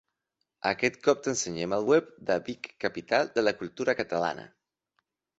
Aquest cop t'ensenyem el web de Vic Capital de la Cultura Catalana.